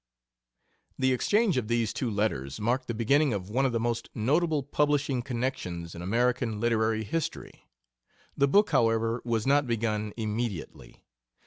The exchange of these two letters marked the beginning of one of the most notable publishing connections in American literary history. The book, however, was not begun immediately.